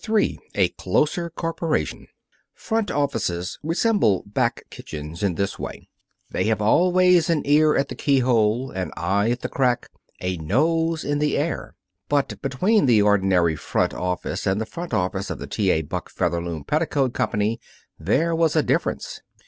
III A CLOSER CORPORATION Front offices resemble back kitchens in this: they have always an ear at the keyhole, an eye at the crack, a nose in the air. But between the ordinary front office and the front office of the T. A. Buck Featherloom Petticoat Company there was a difference.